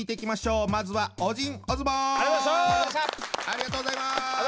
ありがとうございます。